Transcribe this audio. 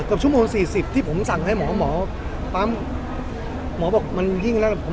ชั่วโมงสี่สิบที่ผมสั่งให้หมอหมอปั๊มหมอบอกมันยิ่งแล้วผม